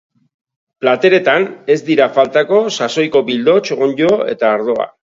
Plateretan, ez dira faltako sasoiko bildots, onddo eta ardoa.